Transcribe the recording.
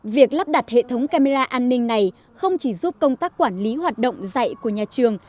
việc lắp đặt hệ thống camera an ninh này không chỉ giúp công tác quản lý hoạt động dạy của nhà trường